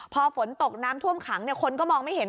พอฝนตกน้ำท่วมขังคนก็มองไม่เห็น